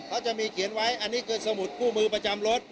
เขาจะมีเขียนไว้อันนี้คือสมุดคู่มือประจำรถ